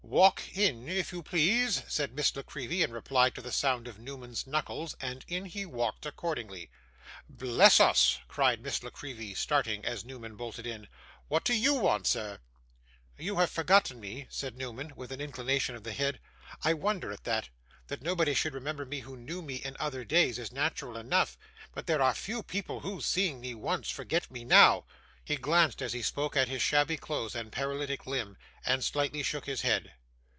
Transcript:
'Walk in if you please,' said Miss La Creevy in reply to the sound of Newman's knuckles; and in he walked accordingly. 'Bless us!' cried Miss La Creevy, starting as Newman bolted in; 'what did you want, sir?' 'You have forgotten me,' said Newman, with an inclination of the head. 'I wonder at that. That nobody should remember me who knew me in other days, is natural enough; but there are few people who, seeing me once, forget me NOW.' He glanced, as he spoke, at his shabby clothes and paralytic limb, and slightly shook his head.